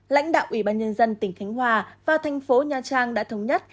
lãnh đạo ủy ban nhân dân tỉnh khánh hòa và thành phố nha trang đã thống nhất